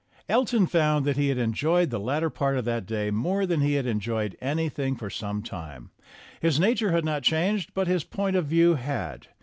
Elton found that he had enjoyed the latter part of that day more than he had enjoyed anything for some time. His nature had not changed, but his point of view had.